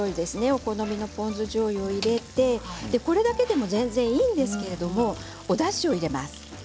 お好みのポン酢じょうゆを入れてこれだけでも全然いいんですけれどおだしを入れます。